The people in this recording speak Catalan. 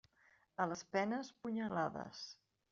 A les penes, punyalades.